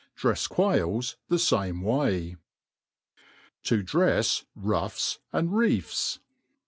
l^reft quails the fame way. To drift Ruffs arid Reifs.